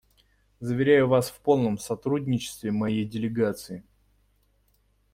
Заверяю Вас в полном сотрудничестве моей делегации.